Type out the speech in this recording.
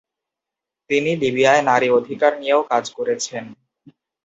তিনি লিবিয়ায় নারী অধিকার নিয়েও কাজ করেছেন।